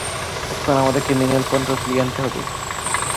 এখন আমাদেরকে manual control ফিরিয়ে আনতে হবে।